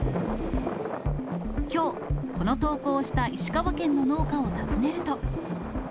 きょう、この投稿をした石川県の農家を訪ねると。